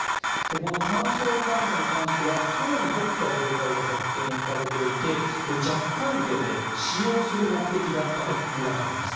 この乾燥大麻に関しては袋に入った状態で発見されていてこれ、若干量で使用する目的だったとみられています。